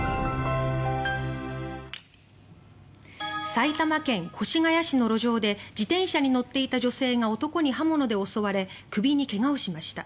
埼玉県越谷市の路上で自転車に乗っていた女性が男に刃物で襲われ首に怪我をしました。